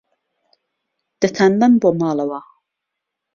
دەتانبەم بۆ ماڵەوە.